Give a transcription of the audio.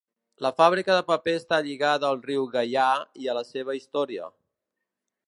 La fàbrica de paper està lligada al riu Gaià i a la seva història.